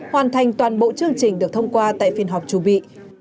hoàn thành toàn bộ chương trình được thông qua tại phiên họp chủ bị